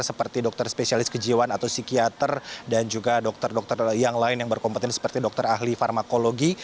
seperti dokter spesialis kejiwaan atau psikiater dan juga dokter dokter yang lain yang berkompetensi seperti dokter ahli farmakologi